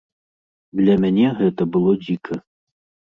Для мяне гэта было дзіка.